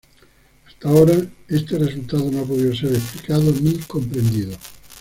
Hasta ahora, este resultado no ha podido ser explicado ni comprendido.